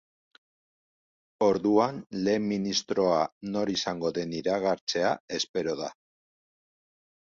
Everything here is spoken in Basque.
Orduan lehen ministroa nor izango den iragartzea espero da.